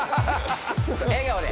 笑顔で。